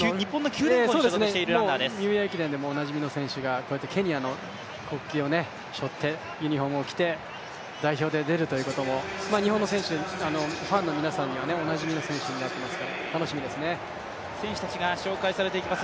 ニューイヤー駅伝でもおなじみの選手がケニアのユニフォームを着て、代表で出るということも日本の選手、ファンにはおなじみの選手になっていますから選手たちが紹介されていきます。